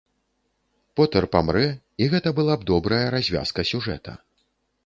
Потэр памрэ, і гэта была б добрая развязка сюжэта.